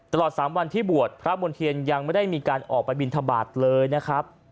ตลอด๓วันที่บวชพระมณ์เทียนยังไม่ได้มีการออกไปบินทบาทเลยนะครับ